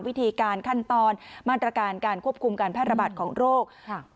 วิธีการขั้นตอนมาตรการการควบคุมการแพร่ระบาดของโรค